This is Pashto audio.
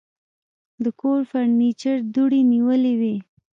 د کور فرنيچر دوړې نیولې وې.